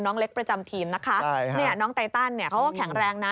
น้องเล็กประจำทีมนะฮะน้องไตตันเขาแข็งแรงนะ